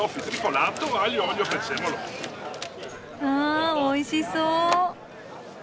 ふんおいしそう。